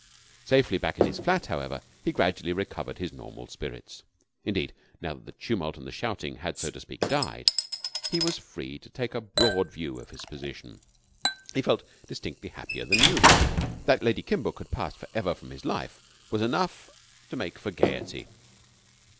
Safely back in his flat, however, he gradually recovered his normal spirits. Indeed, now that the tumult and the shouting had, so to speak, died, and he was free to take a broad view of his position, he felt distinctly happier than usual. That Lady Kimbuck had passed for ever from his life was enough in itself to make for gaiety.